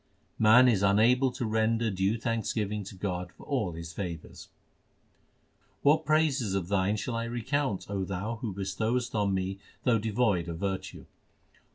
Man is unable to render due thanksgiving to God for all His favours : What praises of Thine shall I recount, O Thou who bestowest on me though devoid of virtue